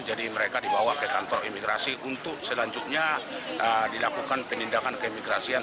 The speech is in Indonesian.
jadi mereka dibawa ke kantor imigrasi untuk selanjutnya dilakukan penindakan keimigrasian